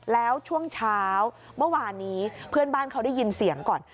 แล้วช่วงเช้าเมื่อวานนี้เพื่อนบ้านเขาได้ยินเสียงก่อน